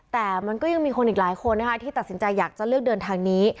แต่มันก็ยังมีคนอีกหลายคนนะคะที่ตัดสินใจอยากจะเลือกเดินทางนี้